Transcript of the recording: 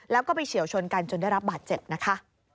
แล้วก็ไปเฉียวชนกันจนได้รับบาดเจ็บนะคะ